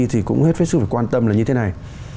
thì cũng hết sức phải quan tâm là như thế này